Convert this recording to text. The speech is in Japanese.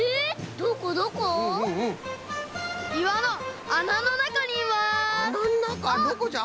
どこじゃ？